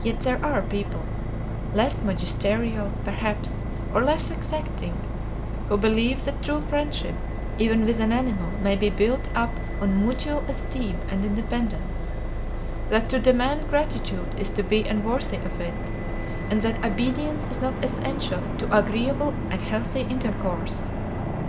"Yet there are people, less magisterial, perhaps, or less exacting, who believe that true friendship, even with an animal, may be built up on mutual esteem and independence; that to demand gratitude is to be unworthy of it; and that obedience is not essential to agreeable and healthy intercourse.